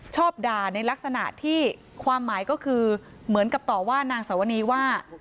ชอบด่าในลักษณะที่ความหมายก็คือเหมือนกับต่อว่านางสวนีว่า